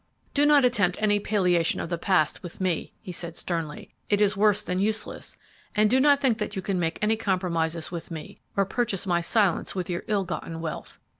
'Do not attempt any palliation of the past with me,' he said, sternly; 'it is worse than useless; and do not think that you can make any compromises with me or purchase my silence with your ill gotten wealth.